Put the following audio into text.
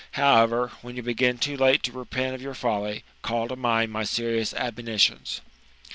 However, when you begin too late to repent of your folly, call to mind my serious admonitions."